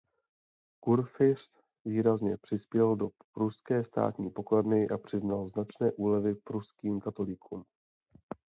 Kurfiřt výrazně přispěl do pruské státní pokladny a přiznal značné úlevy pruským katolíkům.